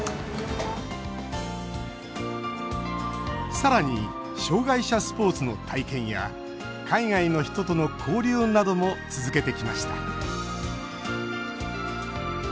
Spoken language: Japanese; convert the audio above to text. さらに障害者スポーツの体験や海外の人との交流なども続けてきました。